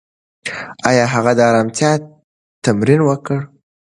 ایا هغه د ارامتیا تمرین وکړ؟